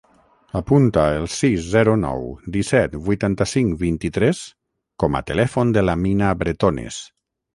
Apunta el sis, zero, nou, disset, vuitanta-cinc, vint-i-tres com a telèfon de l'Amina Bretones.